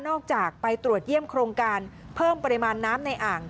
ออกจากไปตรวจเยี่ยมโครงการเพิ่มปริมาณน้ำในอ่าง